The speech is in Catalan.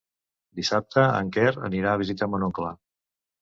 Dissabte en Quer anirà a visitar mon oncle.